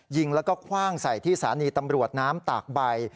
ยิงแล้วก็คว่างใส่ที่สถานีตำรวจน้ำตากใบ